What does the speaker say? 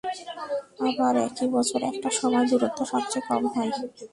আবার একই বছরে একটা সময় দূরত্ব সবচেয়ে কম হয়।